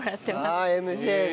ああＭＪね。